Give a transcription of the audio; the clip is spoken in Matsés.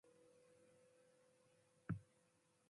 Bedshunoshi utsimbi